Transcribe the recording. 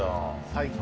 最高。